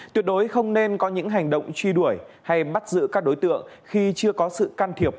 tuyệt đối không nên có những hành động truy đuổi hay bắt giữ các đối tượng khi chưa có sự can thiệp